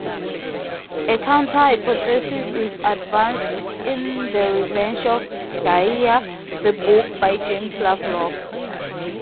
A counter-hypothesis is advanced in "The Revenge of Gaia", the book by James Lovelock.